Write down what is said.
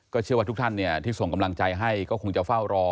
เชื่อว่าทุกท่านที่ส่งกำลังใจให้ก็คงจะเฝ้ารอ